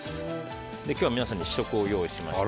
今日は皆さんに試食を用意しました。